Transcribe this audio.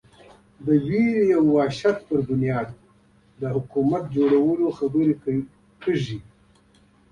ډار او وحشت پر بنا د حکومت د جوړولو خبرې کېږي.